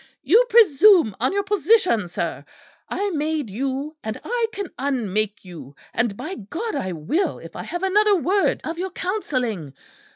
"You presume on your position, sir. I made you, and I can unmake you, and by God I will, if I have another word of your counselling.